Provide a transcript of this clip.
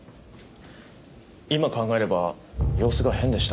今考えれば様子が変でした。